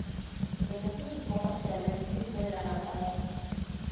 Es asimismo capital del distrito de La Matanza.